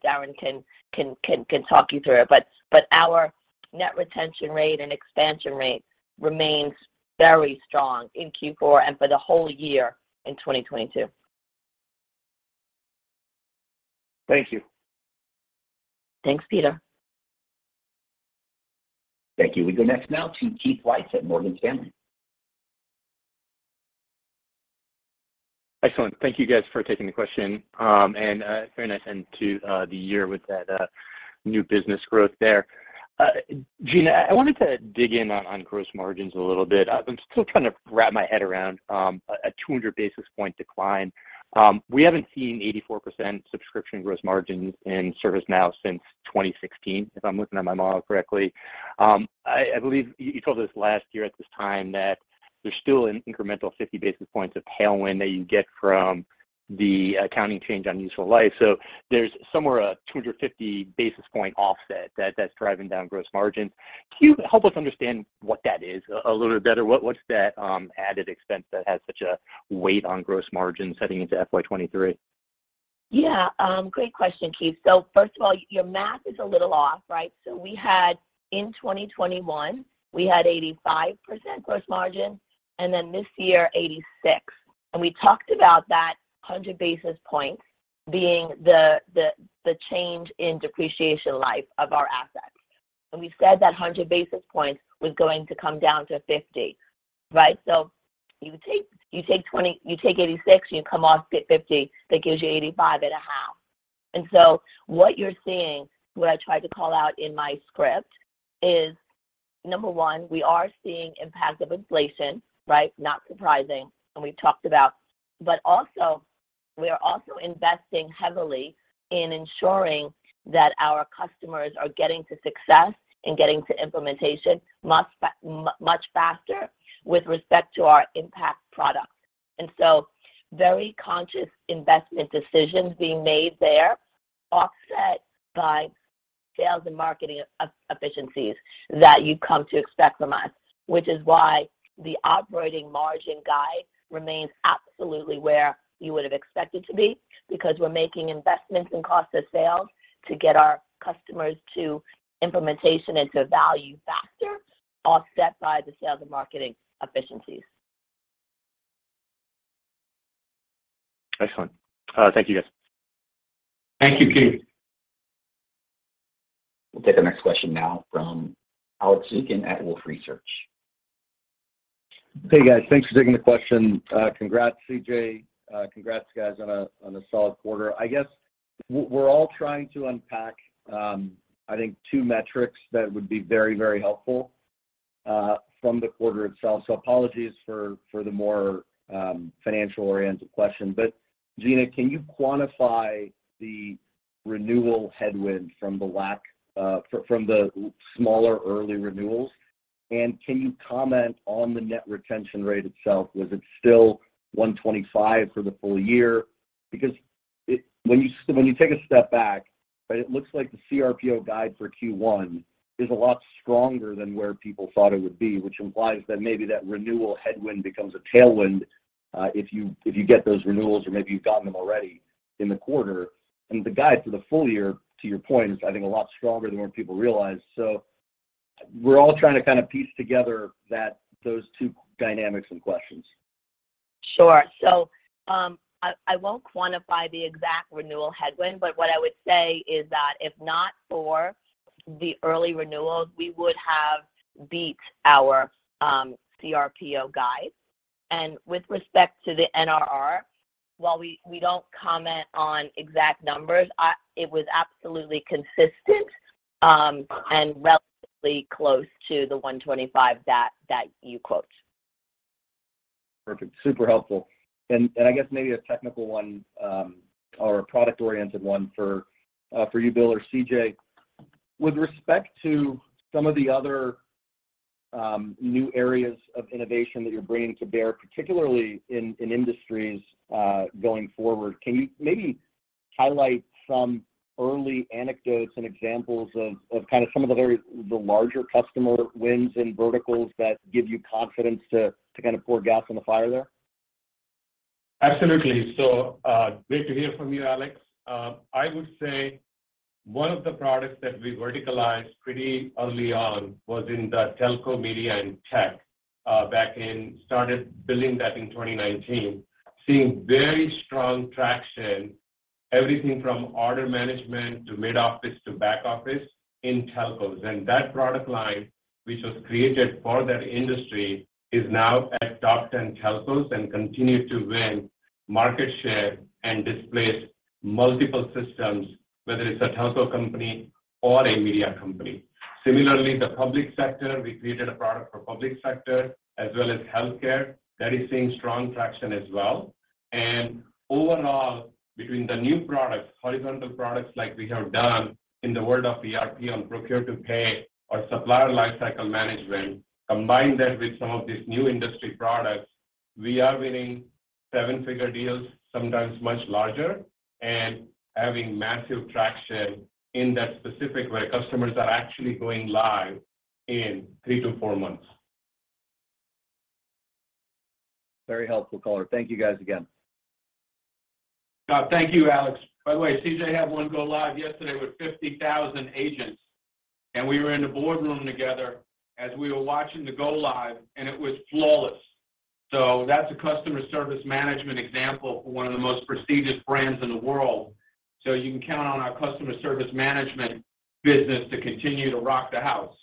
Darren can talk you through it. Our net retention rate and expansion rate remains very strong in Q4 and for the whole year in 2022. Thank you. Thanks, Peter. Thank you. We go next now to Keith Weiss at Morgan Stanley. Excellent. Thank you guys for taking the question. Very nice end to the year with that new business growth there. Gina, I wanted to dig in on gross margins a little bit. I'm still trying to wrap my head around a 200 basis point decline. We haven't seen 84% subscription gross margins in ServiceNow since 2016, if I'm looking at my model correctly. I believe you told us last year at this time that there's still an incremental 50 basis points of tailwind that you get from the accounting change on useful life. So there's somewhere a 250 basis point offset that's driving down gross margins. Can you help us understand what that is a little bit better? What's that added expense that has such a weight on gross margin heading into FY 23? Great question, Keith. First of all, your math is a little off, right? We had, in 2021, we had 85% gross margin, and then this year 86. We talked about that 100 basis points being the change in depreciation life of our assets. We said that 100 basis points was going to come down to 50, right? You take, you take 86, you come off, get 50, that gives you 85.5. What you're seeing, what I tried to call out in my script is, number one, we are seeing impacts of inflation, right? Not surprising, and we've talked about. Also, we are also investing heavily in ensuring that our customers are getting to success and getting to implementation much faster with respect to our Impact products. Very conscious investment decisions being made there offset by sales and marketing efficiencies that you've come to expect from us. Which is why the operating margin guide remains absolutely where you would have expected to be, because we're making investments in cost of sales to get our customers to implementation into value faster, offset by the sales and marketing efficiencies. Excellent. Thank you, guys. Thank you, Keith. We'll take the next question now from Alex Zukin at Wolfe Research. Hey, guys. Thanks for taking the question. Congrats, CJ. Congrats, guys, on a solid quarter. I guess we're all trying to unpack, I think two metrics that would be very, very helpful from the quarter itself. Apologies for the more, financial-oriented question. Gina, can you quantify the renewal headwind from the smaller early renewals, and can you comment on the net retention rate itself? Was it still 125 for the full year? Because when you take a step back, it looks like the CRPO guide for Q1 is a lot stronger than where people thought it would be, which implies that maybe that renewal headwind becomes a tailwind, if you get those renewals or maybe you've gotten them already in the quarter. The guide for the full year, to your point, is I think a lot stronger than what people realize. We're all trying to kind of piece together those two dynamics and questions. Sure. I won't quantify the exact renewal headwind, but what I would say is that if not for the early renewals, we would have beat our CRPO guide. With respect to the NRR, while we don't comment on exact numbers, it was absolutely consistent and relatively close to the 125% that you quote. Perfect. Super helpful. I guess maybe a technical one, or a product-oriented one for you, Bill or CJ. With respect to some of the other, new areas of innovation that you're bringing to bear, particularly in industries, going forward, can you maybe highlight some early anecdotes and examples of kind of some of the larger customer wins and verticals that give you confidence to kind of pour gas on the fire there? Absolutely. Great to hear from you, Alex. I would say one of the products that we verticalized pretty early on was in the telco, media, and tech, started building that in 2019. Seeing very strong traction, everything from order management to mid office to back office in telcos. That product line, which was created for that industry, is now at top 10 telcos and continue to win market share and displace multiple systems, whether it's a telco company or a media company. The public sector, we created a product for public sector as well as healthcare. That is seeing strong traction as well. Overall, between the new products, horizontal products like we have done in the world of ERP on Procure-to-Pay or Supplier Lifecycle Management, combine that with some of these new industry products, we are winning seven figure deals, sometimes much larger, and having massive traction in that specific where customers are actually going live in three to four months. Very helpful color. Thank you guys again. Thank you, Alex Zukin. By the way, CJ Desai had one go live yesterday with 50,000 agents, and we were in the boardroom together as we were watching the go live, and it was flawless. That's a Customer Service Management example for one of the most prestigious brands in the world. You can count on our Customer Service Management business to continue to rock the house.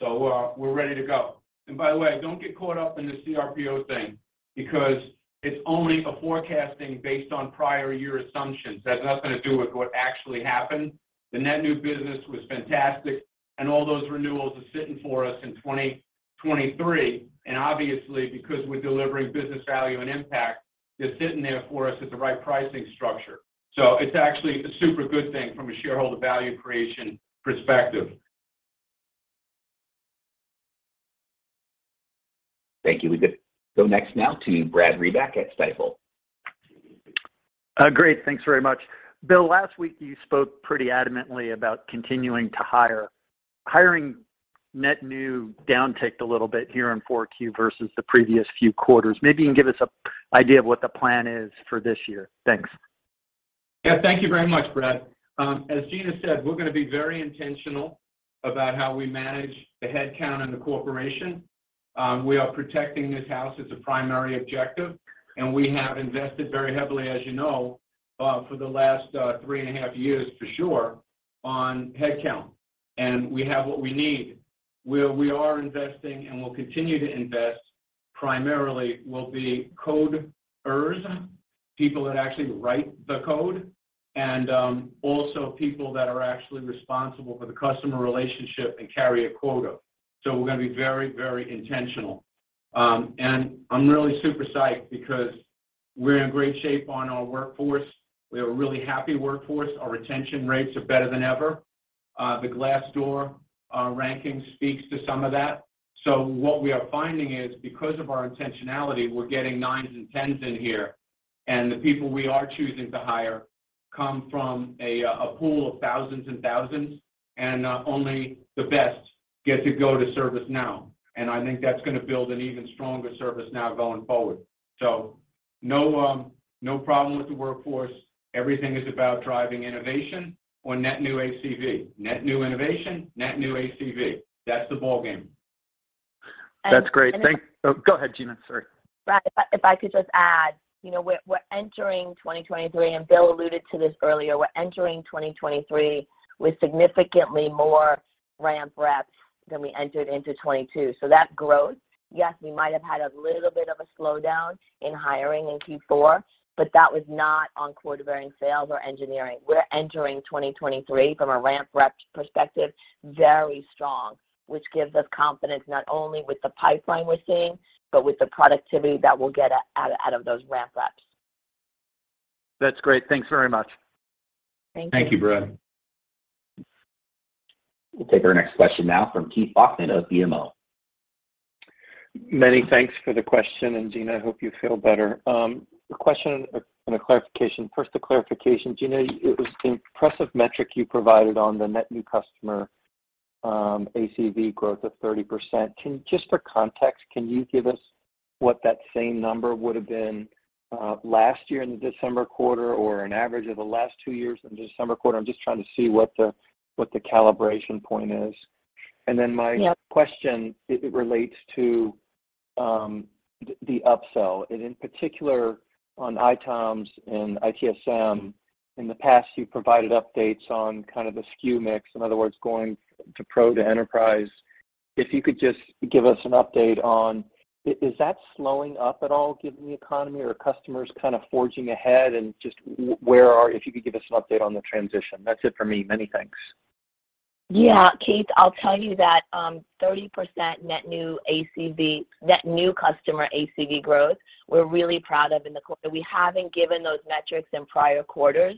We're ready to go. By the way, don't get caught up in the CRPO thing because it's only a forecasting based on prior year assumptions. That's nothing to do with what actually happened. The net new business was fantastic, and all those renewals are sitting for us in 2023. Obviously, because we're delivering business value and impact, they're sitting there for us at the right pricing structure. It's actually a super good thing from a shareholder value creation perspective. Thank you. We could go next now to Brad Reback at Stifel. Great. Thanks very much. Bill, last week you spoke pretty adamantly about continuing to hire. Hiring net new downticked a little bit here in 4Q versus the previous few quarters. Maybe you can give us an idea of what the plan is for this year. Thanks. Yeah. Thank you very much, Brad. As Gina said, we're gonna be very intentional about how we manage the headcount in the corporation. We are protecting this house as a primary objective, we have invested very heavily, as you know, for the last three and a half years for sure on headcount. We have what we need. Where we are investing and will continue to invest primarily will be coders, people that actually write the code and also people that are actually responsible for the customer relationship and carry a quota. We're gonna be very, very intentional. I'm really super psyched because we're in great shape on our workforce. We have a really happy workforce. Our retention rates are better than ever. The Glassdoor ranking speaks to some of that. What we are finding is because of our intentionality, we're getting nines and tens in here, and the people we are choosing to hire come from a pool of thousands and thousands, only the best get to go to ServiceNow. I think that's gonna build an even stronger ServiceNow going forward. No problem with the workforce. Everything is about driving innovation or net new ACV. Net new innovation, net new ACV. That's the ballgame. That's great. And- Oh, go ahead, Gina. Sorry. Brad, if I could just add, you know, we're entering 2023. Bill alluded to this earlier. We're entering 2023 with significantly more ramp reps than we entered into 2022. That growth, yes, we might have had a little bit of a slowdown in hiring in Q4, but that was not on quarter bearing sales or engineering. We're entering 2023 from a ramp rep perspective, very strong, which gives us confidence not only with the pipeline we're seeing, but with the productivity that we'll get out of those ramp reps. That's great. Thanks very much. Thank you. Thank you, Brad. We'll take our next question now from Keith Bachman of BMO. Many thanks for the question. Gina, I hope you feel better. A question and a clarification. First, the clarification. Gina, it was the impressive metric you provided on the net new customer ACV growth of 30%. Just for context, can you give us what that same number would have been last year in the December quarter, or an average of the last two years in the December quarter? I'm just trying to see what the calibration point is. Yep. My question, it relates to the upsell, and in particular on ITOM and ITSM. In the past, you provided updates on kind of the SKU mix, in other words, going to Pro to Enterprise. If you could just give us an update on, is that slowing up at all given the economy, or are customers kind of forging ahead? If you could give us an update on the transition. That's it for me. Many thanks. Yeah, Keith, I'll tell you that 30% net new ACV, net new customer ACV growth, we're really proud of. We haven't given those metrics in prior quarters.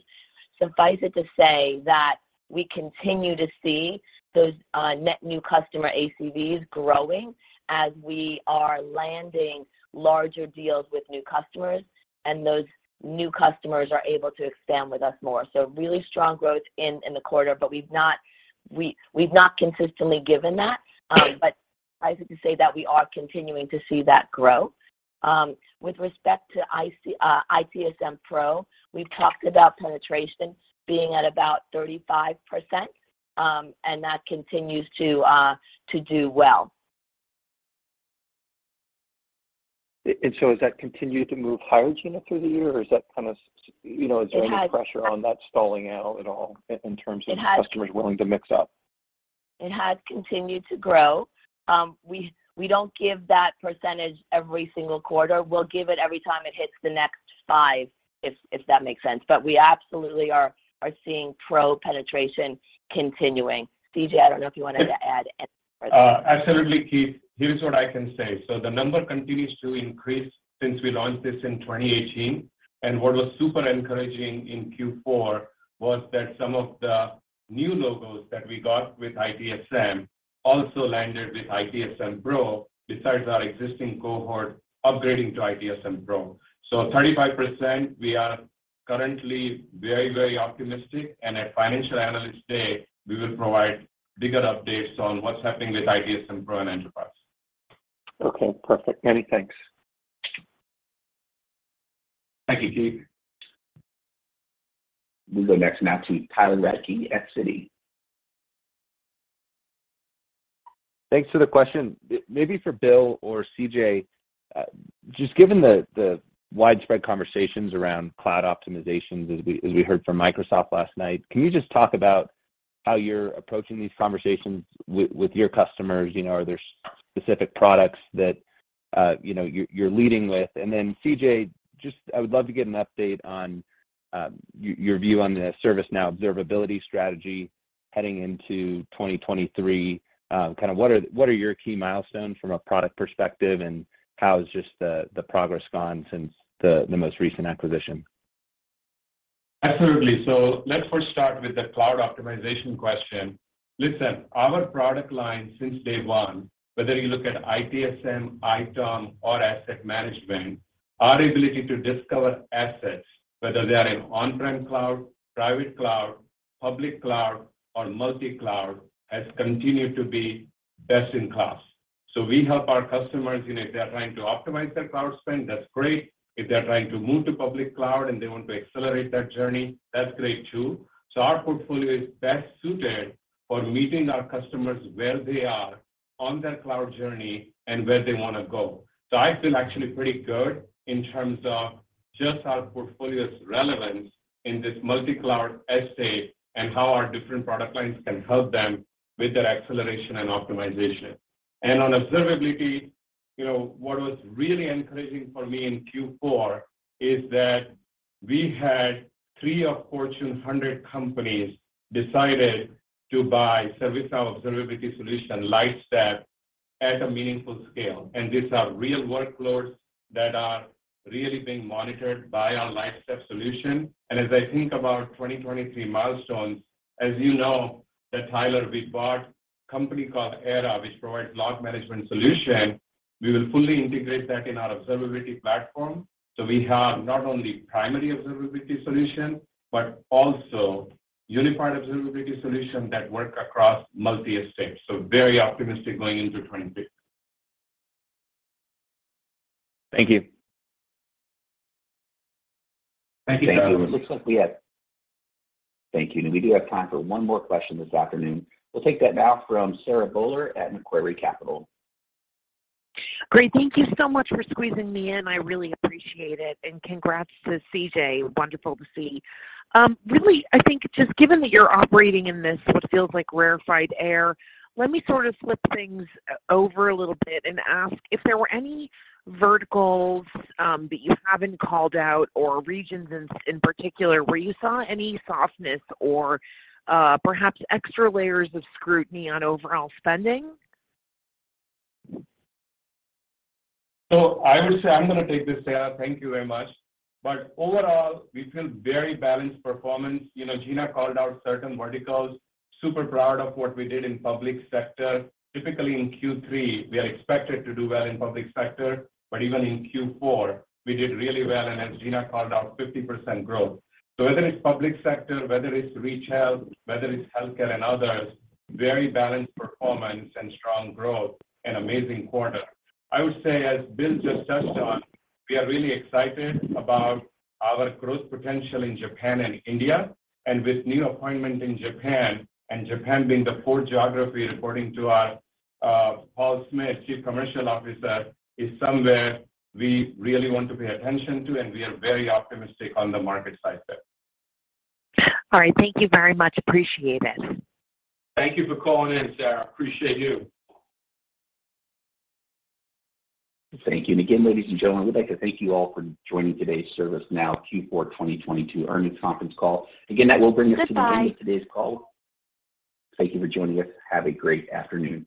Suffice it to say that we continue to see those net new customer ACVs growing as we are landing larger deals with new customers, and those new customers are able to expand with us more. Really strong growth in the quarter, but we've not consistently given that. Suffice it to say that we are continuing to see that growth. With respect to ITSM Pro, we've talked about penetration being at about 35%, and that continues to do well. Has that continued to move higher, Gina, through the year? Is that kind of You know, is there any pressure on that stalling out at all in terms of customers willing to mix up? It has. It has continued to grow. We don't give that % every single quarter. We'll give it every time it hits the next five, if that makes sense. We absolutely are seeing Pro penetration continuing. CJ, I don't know if you wanted to add anything to that. Absolutely, Keith. Here's what I can say. The number continues to increase since we launched this in 2018. What was super encouraging in Q4 was that some of the new logos that we got with ITSM also landed with ITSM Pro, besides our existing cohort upgrading to ITSM Pro. 35%, we are currently very, very optimistic. At Financial Analyst Day, we will provide bigger updates on what's happening with ITSM Pro and Enterprise. Okay, perfect. Many thanks. Thank you, Keith. We'll go next now to Tyler Radke at Citi. Thanks for the question. Maybe for Bill or CJ, just given the widespread conversations around cloud optimizations as we heard from Microsoft last night, can you just talk about how you're approaching these conversations with your customers? You know, are there specific products that, you know, you're leading with? CJ, just, I would love to get an update on your view on the ServiceNow observability strategy heading into 2023. Kind of what are your key milestones from a product perspective, and how has just the progress gone since the most recent acquisition? Absolutely. Let's first start with the cloud optimization question. Listen, our product line since day one, whether you look at ITSM, ITOM, or asset management, our ability to discover assets, whether they are in on-prem cloud, private cloud, public cloud, or multi-cloud, has continued to be best in class. We help our customers, you know, if they're trying to optimize their cloud spend, that's great. If they're trying to move to public cloud and they want to accelerate that journey, that's great too. Our portfolio is best suited for meeting our customers where they are on their cloud journey and where they wanna go. I feel actually pretty good in terms of just our portfolio's relevance in this multi-cloud estate and how our different product lines can help them with their acceleration and optimization. On Observability, you know, what was really encouraging for me in Q4 is that we had three of Fortune 100 companies decided to buy ServiceNow Observability solution, Lightstep, at a meaningful scale. These are real workloads that are really being monitored by our Lightstep solution. As I think about 2023 milestones, as you know that, Tyler, we bought a company called Era, which provides log management solution. We will fully integrate that in our Observability platform. We have not only primary Observability solution, but also unified Observability solution that work across multi estates. Very optimistic going into 26. Thank you. Thank you. It looks like we have. Thank you. We do have time for one more question this afternoon. We'll take that now from Sarah Hindlian-Bowler at Macquarie Capital. Great. Thank you so much for squeezing me in. I really appreciate it. Congrats to CJ. Wonderful to see. Really, I think just given that you're operating in this what feels like rarefied air, let me sort of flip things over a little bit and ask if there were any verticals, that you haven't called out or regions in particular where you saw any softness or, perhaps extra layers of scrutiny on overall spending? I would say I'm going to take this, Sarah. Thank you very much. Overall, we feel very balanced performance. You know, Gina called out certain verticals. Super proud of what we did in public sector. Typically in Q3, we are expected to do well in public sector, but even in Q4 we did really well. As Gina called out, 50% growth. Whether it's public sector, whether it's retail, whether it's healthcare and others, very balanced performance and strong growth and amazing quarter. I would say, as Bill just touched on, we are really excited about our growth potential in Japan and India. With new appointment in Japan, and Japan being the fourth geography, according to our Paul Smith, Chief Commercial Officer, is somewhere we really want to pay attention to, and we are very optimistic on the market size there. All right. Thank you very much. Appreciate it. Thank you for calling in, Sarah. Appreciate you. Thank you. Again, ladies and gentlemen, we'd like to thank you all for joining today's ServiceNow Q4 2022 Earnings Conference Call. That will bring us to the end of today's call. Thank you for joining us. Have a great afternoon.